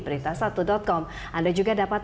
berita satu com anda juga dapat